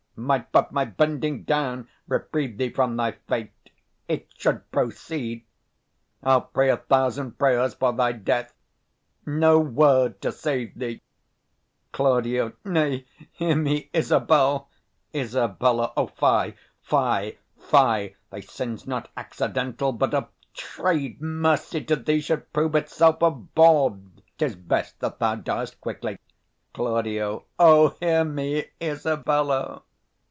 Might but my bending down Reprieve thee from thy fate, it should proceed: I'll pray a thousand prayers for thy death, No word to save thee. Claud. Nay, hear me, Isabel. Isab. O, fie, fie, fie! 145 Thy sin's not accidental, but a trade. Mercy to thee would prove itself a bawd: 'Tis best that thou diest quickly. Claud. O, hear me, Isabella!